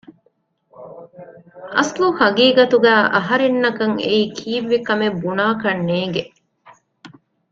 އަސްލު ހަގީގަތުގައި އަހަރެންނަކަށް އެއީ ކީއްވެކަމެއް ބުނާކަށް ނޭނގެ